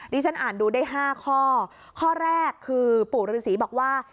ฉันอ่านดูได้ห้าข้อข้อแรกคือปู่ฤษีบอกว่า